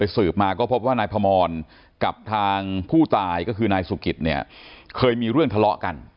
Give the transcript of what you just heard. สืบมาก็พบว่านายพมรกับทางผู้ตายก็คือนายสุกิตเนี่ยเคยมีเรื่องทะเลาะกัน